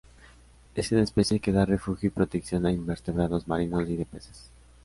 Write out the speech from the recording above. Es una especie que da refugio y protección a invertebrados marinos y peces.